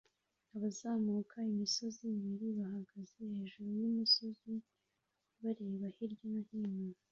Abazamuka imisozi ibiri bahagaze hejuru yumusozi bareba hirya no hino